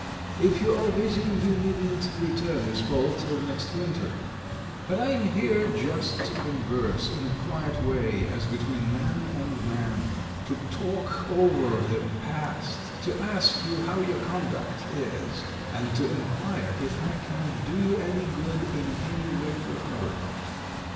If you are busy you needn't return this call till next winter. But I am here just to converse in a quiet way, as between man and man; to talk over the past, to ask you how your conduct is and to inquire if I can do you any good in any way whatever.